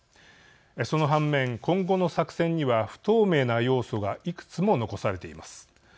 その反面、今後の作戦には不透明な要素がいくつも残されています。